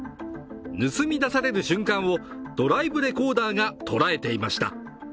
盗み出される瞬間をドライブレコーダーが捉えていました。